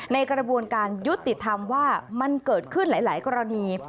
ในกระบวนการยุติธรรมว่ามันเกิดขึ้นหลายกรณี